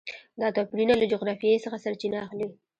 دا توپیرونه له جغرافیې څخه سرچینه اخلي.